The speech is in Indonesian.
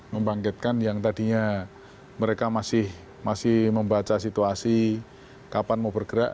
membangkitkan yang tadinya mereka masih membaca situasi kapan mau bergerak